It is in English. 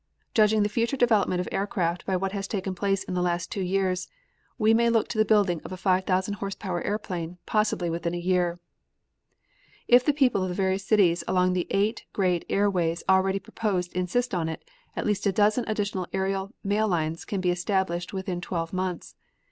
Judging the future development of aircraft by what has taken place in the last two years, we may look for the building of a 5,000 horse power airplane, possibly within a year. If the people of the various cities along the eight great air ways already proposed insist on it, at least a dozen additional aerial mail lines can be established within twelve months.